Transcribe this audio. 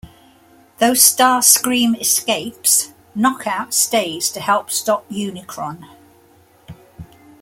Though Starscream escapes, Knock Out stays to help stop Unicron.